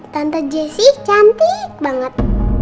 tante jessy cantik banget